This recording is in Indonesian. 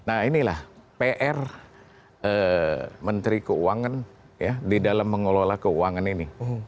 nah inilah pr menteri keuangan di dalam mengelola keuangan ini